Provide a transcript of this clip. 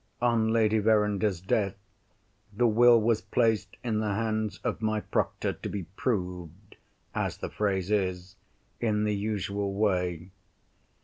On Lady Verinder's death, the Will was placed in the hands of my proctor to be "proved" (as the phrase is) in the usual way.